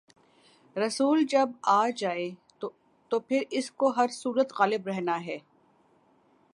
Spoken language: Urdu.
رسول جب آ جائے تو پھر اس کو ہر صورت غالب رہنا ہے۔